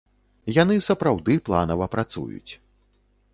Яны сапраўды планава працуюць.